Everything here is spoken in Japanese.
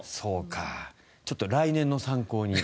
ちょっと来年の参考に。